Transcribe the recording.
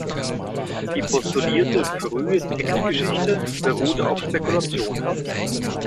Die postulierte frühe Textgeschichte beruht auf Spekulationen.